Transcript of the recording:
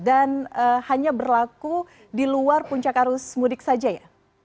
dan hanya berlaku di luar puncak arus mudik saja ya